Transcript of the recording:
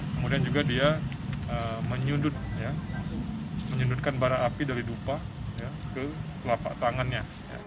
kemudian juga dia menyundutkan bara api dari dupa ke telapak tangannya